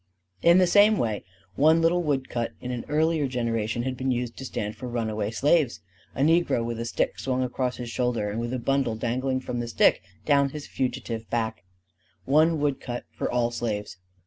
In the same way one little wood cut in an earlier generation had been used to stand for runaway slaves: a negro with a stick swung across his shoulder and with a bundle dangling from the stick down his fugitive back; one wood cut for all slaves.